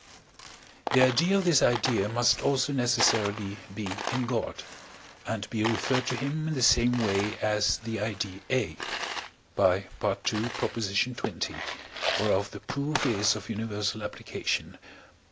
The idea of this idea must also necessarily be in God, and be referred to him in the same way as the idea A (by II. xx., whereof the proof is of universal application).